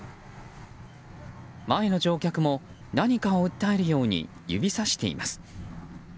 前の乗客も、何かを訴えるように指さしています。